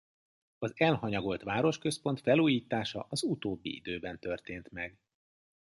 Az elhanyagolt városközpont felújítása az utóbbi időben történt meg.